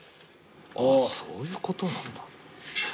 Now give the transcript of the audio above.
そういうことなんだ。